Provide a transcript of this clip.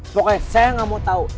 pokoknya saya gak mau tau